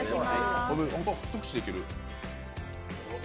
一口でいける。